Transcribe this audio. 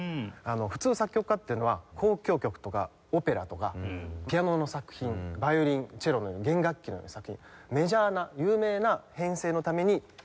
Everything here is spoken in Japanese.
普通作曲家っていうのは交響曲とかオペラとかピアノの作品バイオリンチェロのように弦楽器の作品メジャーな有名な編成のために曲をまず書くんですね。